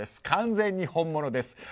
完全に本物です